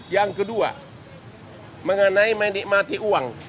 yang kedua mengenai menikmati uang